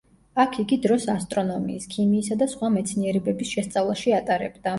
აქ იგი დროს ასტრონომიის, ქიმიისა და სხვა მეცნიერებების შესწავლაში ატარებდა.